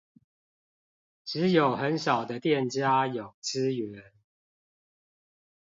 只有很少的店家有支援